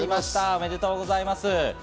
おめでとうございます。